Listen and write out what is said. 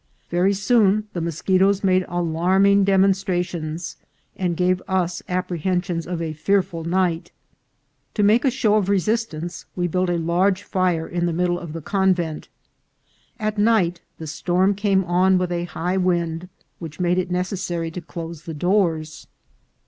Very soon the moschetoes made alarming demonstrations, and gave us apprehensions of a fearful night. To make a show of resistance, we built a large fire in the middle of the convent. At night the storm came on with a high wind, which made it necessary to close the doors.